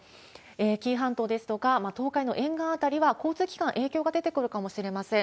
紀伊半島ですとか、東海の沿岸辺りは交通機関、影響が出てくるかもしれません。